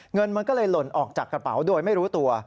เงินมันก็เลยหล่นออกจากกระเป๋าโดยไม่รู้ตัว